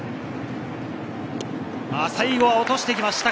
最後は落として来ました。